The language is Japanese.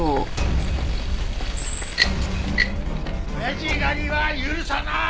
おやじ狩りは許さない！